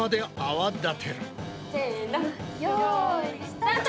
よいスタート！